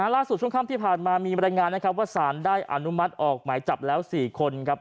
ช่วงค่ำที่ผ่านมามีบรรยายงานนะครับว่าสารได้อนุมัติออกหมายจับแล้ว๔คนครับ